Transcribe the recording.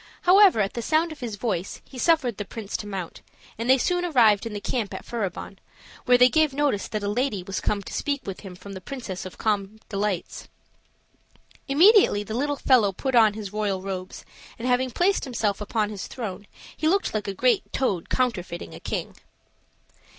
However, at the sound of his voice, he suffered the prince to mount, and they soon arrived in the camp at Furibon, where they gave notice that a lady was come to speak with him from the Princess of Calm Delights. Immediately the little fellow put on his royal robes, and having placed himself upon his throne, he looked like a great toad counterfeiting a king.